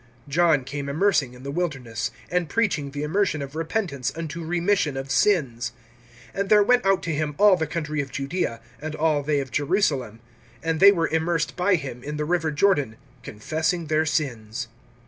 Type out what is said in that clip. (4)John came immersing in the wilderness, and preaching the immersion of repentance unto remission of sins. (5)And there went out to him all the country of Judaea, and all they of Jerusalem; and they were immersed by him in the river Jordan, confessing their sins.